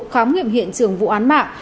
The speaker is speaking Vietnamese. khám nghiệm hiện trường vụ án mạng